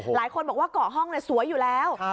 หลายคนบอกว่าเกาะห้องสวยอยู่แล้ว